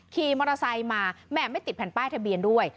ขี่มอเตอร์ไซค์มาแหม่ไม่ติดแผ่นป้ายทะเบียนด้วย